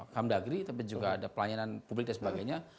kham dagri tapi juga ada pelayanan publik dan sebagainya